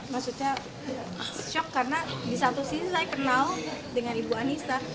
maksudnya shock karena disatu sisi saya kenal dengan ibu anissa